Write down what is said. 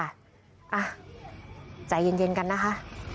อ่ะใจเย็นกันนะคะ